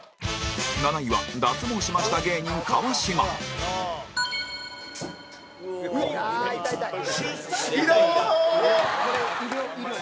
７位は脱毛しました芸人、川島ノブ：痛い、痛い！